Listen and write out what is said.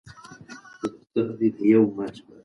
هغه خپل نوی کمپیوټر په کڅوړه کې په ارامه اېښی دی.